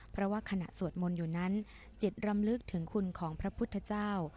เพราะว่าขณะสวดมนต์อยู่นั้นจิตรำลึกถึงคุณของพระพุทธเจ้า